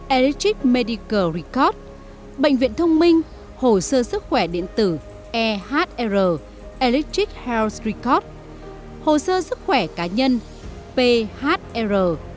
electric medical record bệnh viện thông minh hồ sơ sức khỏe điện tử ehr electric health record hồ sơ sức khỏe cá nhân phr